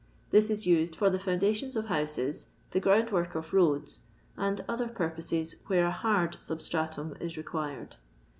This is used for the foundations of houses, the groundwork of roads, and other pur poses where a hard substratum is required.